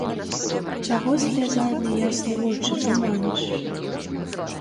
Чаго слязамі ясны вочы туманіш?